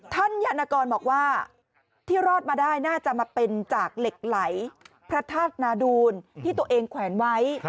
ยานกรบอกว่าที่รอดมาได้น่าจะมาเป็นจากเหล็กไหลพระธาตุนาดูลที่ตัวเองแขวนไว้